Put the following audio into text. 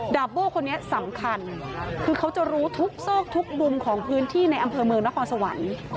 โบ้คนนี้สำคัญคือเขาจะรู้ทุกซอกทุกมุมของพื้นที่ในอำเภอเมืองนครสวรรค์